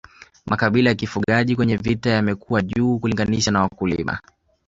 Makabila ya kifugaji kwenye vita yamekuwa juu kulinganisha na wakulima